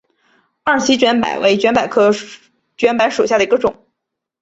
二歧卷柏为卷柏科卷柏属下的一个种。